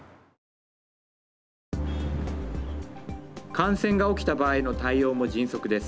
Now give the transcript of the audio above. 感染が起きた場合の対応も迅速です。